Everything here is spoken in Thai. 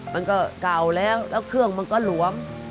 มันก็เก่าแล้วแล้วเครื่องมันก็หลวม